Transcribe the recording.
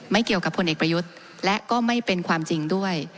เกี่ยวกับพลเอกประยุทธ์และก็ไม่เป็นความจริงด้วย